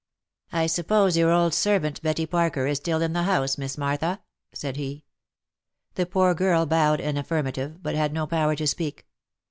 " I suppose your old servant Betty Parker is still in the house, Miss Martha ?" said he. The poor girl bowed an affirmative, but had no power to speak.